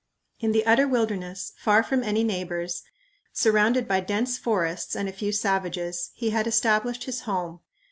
In the utter wilderness, far from any neighbors, surrounded by dense forests and a few savages, he had established his home.